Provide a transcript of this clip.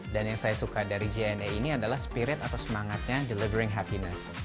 dan yang saya suka dari jne ini adalah spirit atau semangatnya delivering happiness